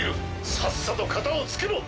さっさとカタをつけろ！